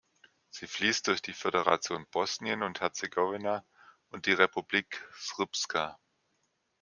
Sie fließt durch die Föderation Bosnien und Herzegowina und die Republika Srpska.